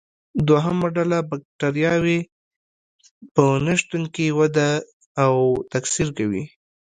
دوهمه ډله بکټریاوې په نشتون کې وده او تکثر کوي.